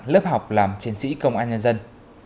lớp học làm chiến sĩ công an nhân dân